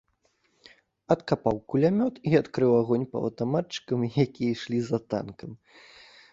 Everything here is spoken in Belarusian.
Адкапаў кулямёт і адкрыў агонь па аўтаматчыкам, якія ішлі за танкам.